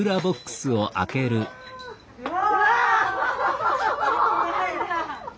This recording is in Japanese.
うわ！